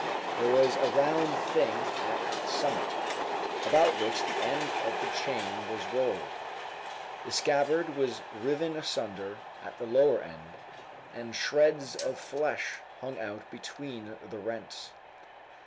There was a round thing at its summit, about which the end of the chain was rolled. The scabbard was riven asunder at the lower end, and shreds of flesh hung out between the rents.